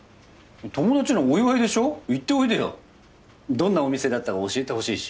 どんなお店だったか教えてほしいし。